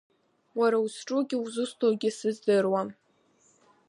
Уара узҿугьы узусҭоугьы сыздыруам.